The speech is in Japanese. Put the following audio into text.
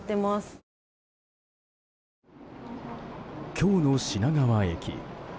今日の品川駅。